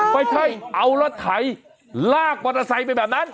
ไม่ใช่เอารถไถลากมอเตอร์ไซค์ไปแบบนั้น